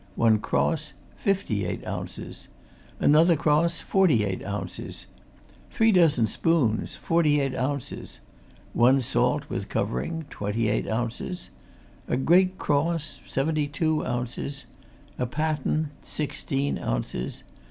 One cross, fifty eight ounces. Another cross, forty eight ounces. Three dozen spoons, forty eight ounces. One salt, with covering, twenty eight ounces. A great cross, seventy two ounces. A paten, sixteen ounces.